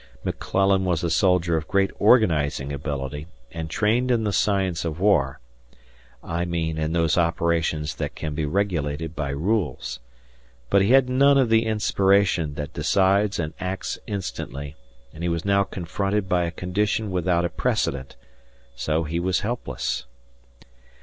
McClellan was a soldier of great organizing ability and trained in the science of war I mean in those operations that can be regulated by rules. But he had none of the inspiration that decides and acts instantly, and he was now confronted by a condition without a precedent. So he was helpless.